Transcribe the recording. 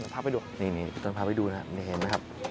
พี่ต้นพาไปดูนะครับไม่ได้เห็นนะครับ